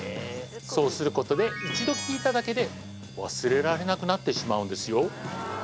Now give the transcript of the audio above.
そうすることで一度聴いただけで忘れられなくなってしまうんですよ